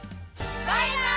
バイバイ！